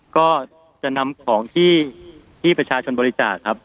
ก็จะนำของที่ประชาชนบริจาคครับ